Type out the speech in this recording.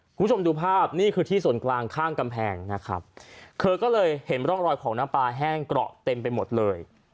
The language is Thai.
คุณผู้ชมดูภาพนี่คือที่ส่วนกลางข้างกำแพงนะครับเธอก็เลยเห็นร่องรอยของน้ำปลาแห้งเกราะเต็มไปหมดเลย